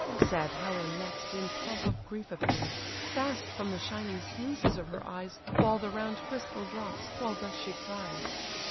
Sad Helen next in pomp of grief appears; Fast from the shining sluices of her eyes Fall the round crystal drops, while thus she cries.